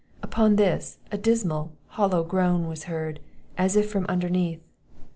Upon this, a dismal hollow groan was heard, as if from underneath.